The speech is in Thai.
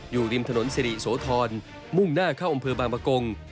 อยู่ริมถนนสิริโสธรมุ่งหน้าเข้าอำเภอบางประกง